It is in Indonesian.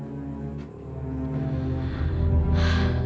oh aku sudah